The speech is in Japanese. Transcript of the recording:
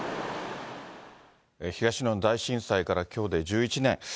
東日本大震災からきょうで１１年。